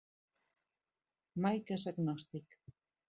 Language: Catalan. Mike és agnòstic.